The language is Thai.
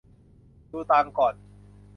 ดูตังค์ก่อน